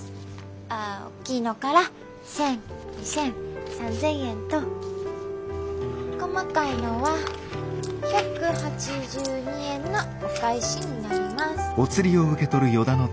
あおっきいのから１，０００２，０００３，０００円と細かいのは１８２円のお返しになります。